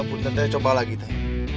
eh mungkin kita coba lagi teh